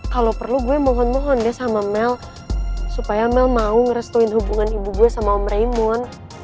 kalau perlu gue mohon mohon deh sama mel supaya mel mau ngerestuin hubungan ibu gue sama om raimun